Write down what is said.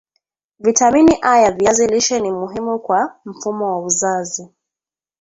vitamini A ya viazi lishe ni muhimu kwa mfumo wa uzazi